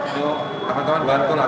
untuk teman teman bantu lah